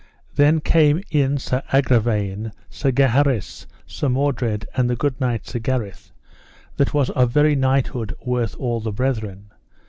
Then came in Sir Agravaine, Sir Gaheris, Sir Mordred, and the good knight, Sir Gareth, that was of very knighthood worth all the brethren.